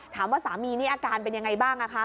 ถามว่าสามีนี่อาการเป็นอย่างไรบ้าง